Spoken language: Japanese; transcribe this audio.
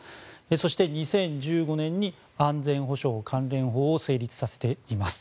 そして、２０１５年に安全保障関連法を成立させています。